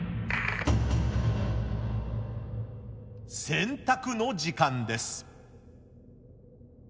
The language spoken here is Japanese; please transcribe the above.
選択の時間です。